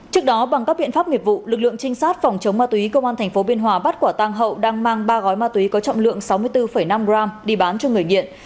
trước đó bằng các biện pháp nghiệp vụ lực lượng trinh sát phòng chống ma túy công an tp biên hòa bắt quả tang hậu đang mang ba gói ma túy có trọng lượng sáu mươi bốn năm g đi bán cho người nghiện